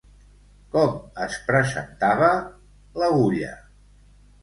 Com es presentava l'agulla?